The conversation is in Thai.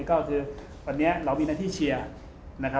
ก็คือตอนนี้เรามีหน้าที่เชียร์